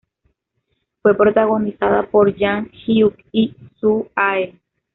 Fue protagonizada por Jang Hyuk y Soo Ae.